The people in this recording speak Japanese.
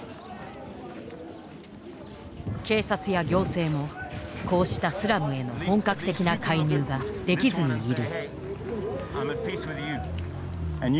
警察や行政もこうしたスラムへの本格的な介入ができずにいる。